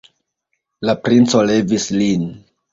La princo levis lin.